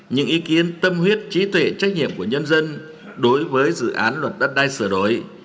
những ý kiến tâm huyết trí tuệ trách nhiệm của nhân dân đối với dự án luật đất đai sửa đổi